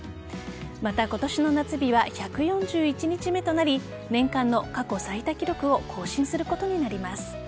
また、今年の夏日は１４１日目となり年間の過去最多記録を更新することになります。